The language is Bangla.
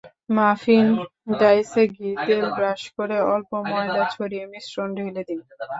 মাফিন ডাইসে ঘি-তেল ব্রাশ করে অল্প ময়দা ছড়িয়ে মিশ্রণ ঢেলে দিন।